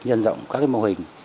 nhân rộng các mô hình